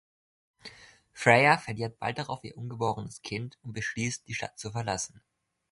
Freya verliert bald darauf ihr ungeborenes Kind und beschließt die Stadt zu verlassen.